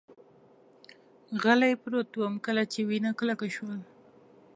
غلی پروت ووم، کله چې وینه کلکه شول.